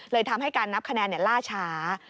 ทำให้การนับคะแนนล่าช้า